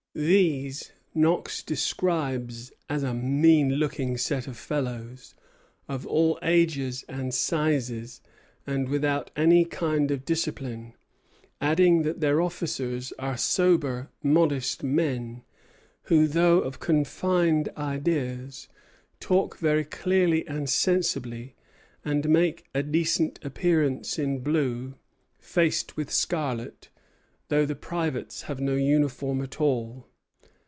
These Knox describes as a mean looking set of fellows, of all ages and sizes, and without any kind of discipline; adding that their officers are sober, modest men, who, though of confined ideas, talk very clearly and sensibly, and make a decent appearance in blue, faced with scarlet, though the privates have no uniform at all.